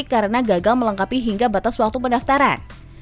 karena gagal melengkapi hingga batas waktu pendaftaran